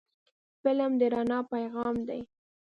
فلم د رڼا پیغام دی